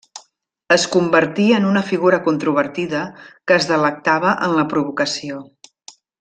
Es convertí en una figura controvertida que es delectava en la provocació.